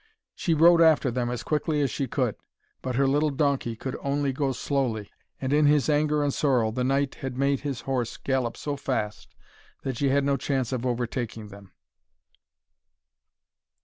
She rode after them as quickly as she could, but her little donkey could only go slowly, and in his anger and sorrow the knight had made his horse gallop so fast that she had no chance of overtaking them.